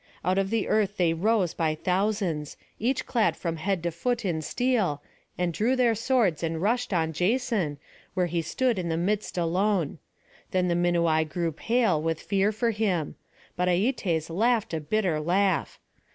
Out of the earth they rose by thousands, each clad from head to foot in steel, and drew their swords and rushed on Jason, where he stood in the midst alone. Then the Minuai grew pale with fear for him; but Aietes laughed a bitter laugh.